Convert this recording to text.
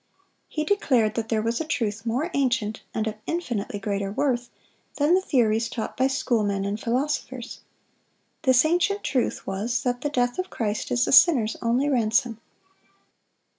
He declared that there was a truth more ancient, and of infinitely greater worth, than the theories taught by schoolmen and philosophers. This ancient truth was that the death of Christ is the sinner's only ransom.